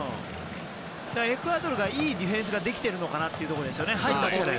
エクアドルがいいディフェンスができているのかなというところですね。